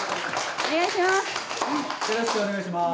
お願いします。